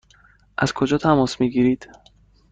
از کجا تماس می گیرید؟